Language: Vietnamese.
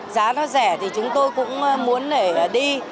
giá nó rẻ thì chúng tôi cũng muốn để đi